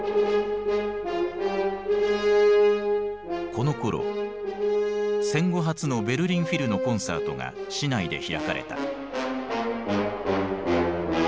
このころ戦後初のベルリン・フィルのコンサートが市内で開かれた。